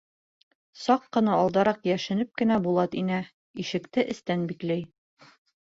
Саҡ ҡына алдараҡ йәшенеп кенә Булат инә, ишекте эстән бикләй.